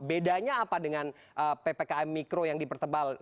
bedanya apa dengan ppkm mikro yang dipertebal